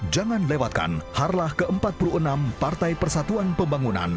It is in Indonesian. jangan lewatkan harlah ke empat puluh enam partai persatuan pembangunan